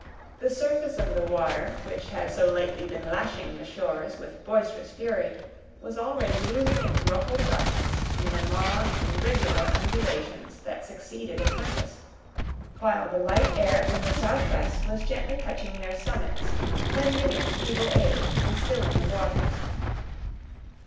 The surface of the water which had so lately been lashing the shores with boisterous fury, was already losing its ruffled darkness in the long and regular undulations that succeeded a tempest, while the light air from the southwest was gently touching their summits, lending its feeble aid in stilling the waters.